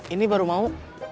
ini baru mau